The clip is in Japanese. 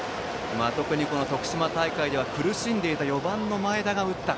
特に徳島大会では苦しんでいた４番の前田が打った。